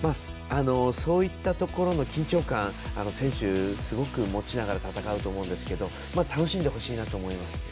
そういったところの緊張感選手、すごく持ちながら戦うと思うんですけど楽しんでほしいなと思います。